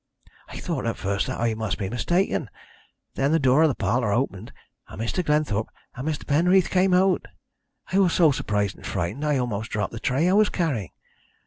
I thought at first that I must be mistaken; then the door of the parlour opened, and Mr. Glenthorpe and Mr. Penreath came out. I was so surprised and frightened that I almost dropped the tray I was carrying.